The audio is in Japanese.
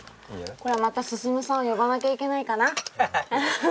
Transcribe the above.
これはまた進さんを呼ばなきゃいけないかな。